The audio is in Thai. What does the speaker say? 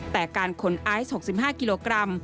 แต่การขนไอซ์๖๕กิโลกรัม